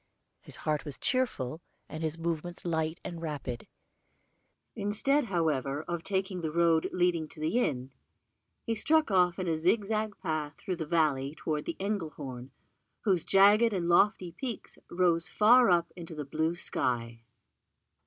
His heart was cheerful, and his movements light and rapid. Instead, however, of taking the road leading to the inn, he struck off in a zigzag path through the valley toward the Engelhorn, whose jagged and lofty peaks rose far up into the blue sky.